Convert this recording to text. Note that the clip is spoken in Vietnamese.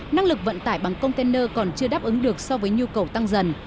năng lực vận tải bằng container còn chưa đáp ứng được so với nhu cầu tăng dần